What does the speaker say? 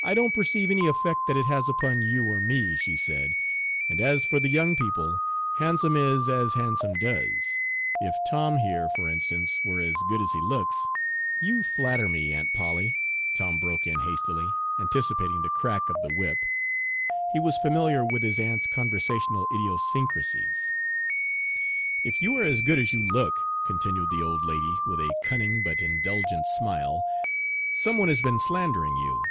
"I don't perceive any effect that it has upon you or me," she said; "And as for the young people, 'Handsome is as handsome does.' If Tom here, for instance, were as good as he looks" "You flatter me, Aunt Polly," Tom broke in hastily, anticipating the crack of the whip; he was familiar with his aunt's conversational idiosyncrasies. "If you are as good as you look," continued the old lady, with a cunning but indulgent smile, "some one has been slandering you."